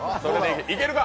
いけるか？